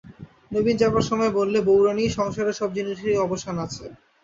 নবীন যাবার সময় বললে, বউরানী, সংসারে সব জিনিসেরই অবসান আছে।